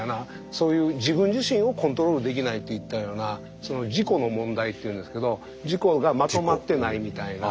そういう自分自身をコントロールできないといったような「自己」の問題っていうんですけど自己がまとまってないみたいな。